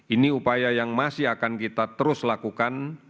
ini upaya yang masih akan kita terus lakukan